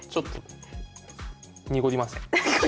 濁りません。